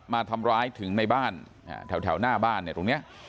มาทำร้ายถึงในบ้านแถวหน้าบ้านเนี่ยตรงนี้